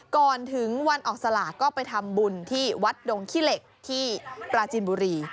ก่อนถึงวันออกสลากก็ไปทำบุญที่วัดดงขี้เหล็กที่ปราจินบุรี